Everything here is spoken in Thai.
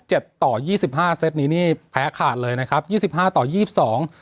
ต่อยี่สิบห้าเซตนี้นี่แพ้ขาดเลยนะครับยี่สิบห้าต่อยี่สิบสอง